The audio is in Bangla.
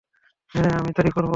হ্যাঁ, আমি তাই করবো।